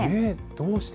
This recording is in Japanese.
どうして？